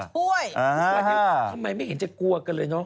โอ้โฮโอ้โฮทำไมไม่เห็นจะกลัวกันเลยเนอะ